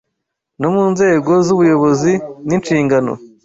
no mu nzego z’ubuyobozi n’inshingano